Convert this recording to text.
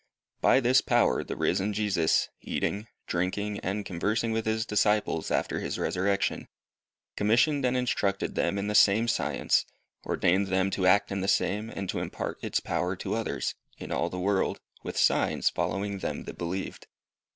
By this power the risen Jesus, eating, drinking, and conversing with his disciples, after his resurrection, commissioned and instructed them in the same science, ordained them to act in the same, and to impart its power to others, in all the world, with signs following them that believed.